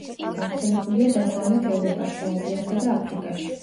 გავრცელებულია დასავლეთ ევროპაში, აზიასა და აფრიკაში.